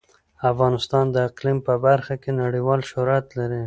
افغانستان د اقلیم په برخه کې نړیوال شهرت لري.